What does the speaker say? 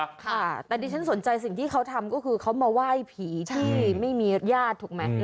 ค่ะแต่ดิฉันสนใจสิ่งที่เขาทำก็คือเขามาไหว้ผีที่ไม่มีญาติถูกไหม